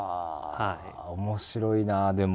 面白いなでも。